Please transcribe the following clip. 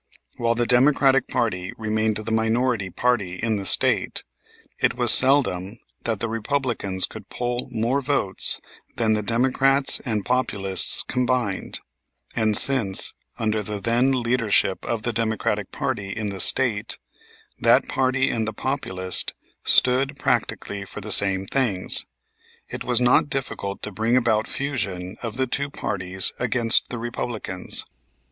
While the Democratic party remained the minority party in the State, it was seldom that the Republicans could poll more votes than the Democrats and Populists combined, and since, under the then leadership of the Democratic party in the State, that party and the Populist stood practically for the same things, it was not difficult to bring about fusion of the two parties against the Republicans.